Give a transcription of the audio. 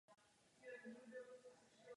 Dělič napětí